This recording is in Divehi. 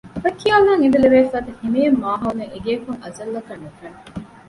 ފޮތްކިޔާލަން އިނދެލެވޭފަދަ ހިމޭން މާހައުލެއް އެގެއަކުން އަޒަލްއަކަށް ނުފެނެ